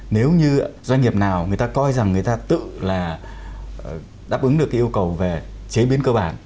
nếu như doanh nghiệp nào người ta coi rằng người ta tự là đáp ứng được cái yêu cầu về chế biến cơ bản